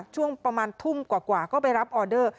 ช่วงประมาณทุ่มกว่าก็ไปรับออเดอร์